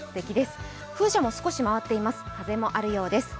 風車も少し回っています、風もあるようです。